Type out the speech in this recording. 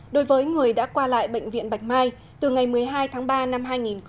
đối với người đã qua lại bệnh viện bạch mai từ ngày một mươi hai tháng ba năm hai nghìn hai mươi